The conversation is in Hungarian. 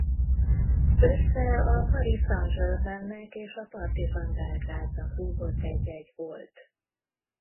Ősszel a Paris Saint-Germain-nek és a Partizan Belgrádnak rúgott egy-egy gólt.